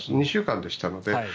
２週間でしたので。